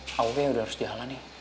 abah kayaknya udah harus jalan nih